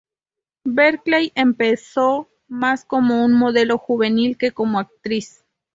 Berkley empezó más como modelo juvenil que como actriz.